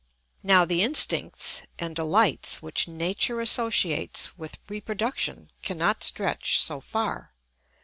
] Now the instincts and delights which nature associates with reproduction cannot stretch so far.